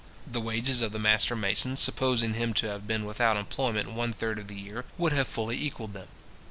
The wages of the master mason, supposing him to have been without employment one third of the year, would have fully equalled them.